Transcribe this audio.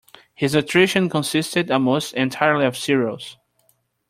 His nutrition consisted almost entirely of cereals.